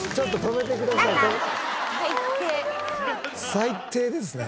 最低ですね。